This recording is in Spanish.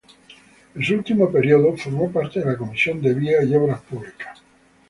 En su último periodo formó parte de la comisión de Vías y Obras Públicas.